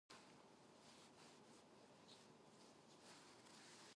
Its economy is based on tourism, and palm oil and rubber plantations.